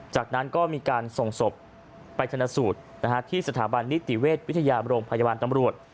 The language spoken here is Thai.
จากนั้นก็มีการส่งศพไปชนะสูตรที่สถาบันนิติเวชวิทยาโรงพยาบาลตำรวจ